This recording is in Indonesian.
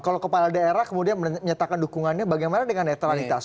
kalau kepala daerah kemudian menyatakan dukungannya bagaimana dengan netralitas